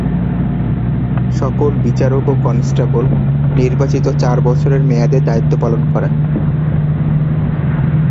সকল বিচারক ও কনস্টেবল নির্বাচিত চার বছরের মেয়াদে দায়িত্ব পালন করেন।